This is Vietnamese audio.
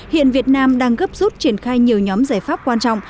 hiện việt nam đang gấp rút triển khai nhiều nhóm giải pháp quan trọng